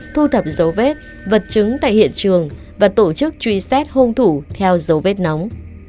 thu thập dấu vết vật chứng tại hiện trường và tổ chức truy xét hung thủ theo dấu vết nóng